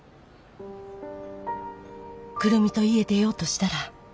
久留美と家出ようとしたら。